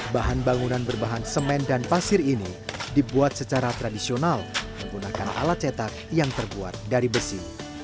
bahan bangunan berbahan semen dan pasir ini dibuat secara tradisional menggunakan alat cetak yang terbuat dari besi